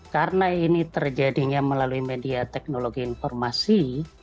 karena ini terjadinya melalui media teknologi informasi